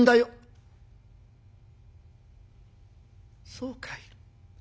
「そうかい。